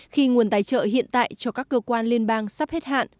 khi nguồn tài trợ hiện tại cho các cơ quan liên bang sắp hết hạn